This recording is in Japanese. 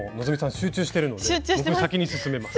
集中してるので僕先に進めます。